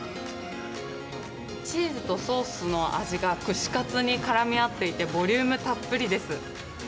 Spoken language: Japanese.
チーズとソースの味が串カツにからみ合っていて、ボリュームたっぷりです。